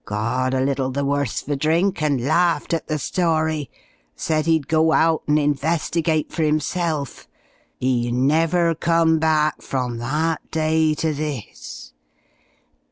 Got a little the worse for drink and laughed at the story. Said 'e'd go out and investigate for 'imself. 'E never come back from that day to this!"